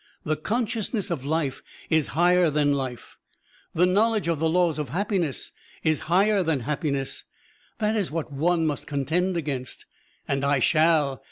The consciousness of life is higher than life, the knowledge of the laws of happiness is higher than happiness that is what one must contend against. And I shall.